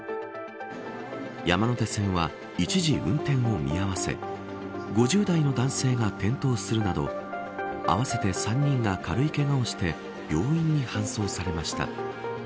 山手線は一時運転を見合わせ５０代の男性が転倒するなど合わせて３人が軽いけがをして病院に搬送されました。